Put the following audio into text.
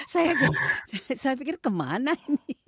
saya pikir kemana ini